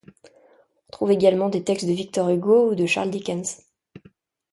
On trouve également des textes de Victor Hugo ou de Charles Dickens.